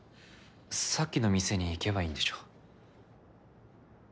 さっきの店に行けばいいんでしょ？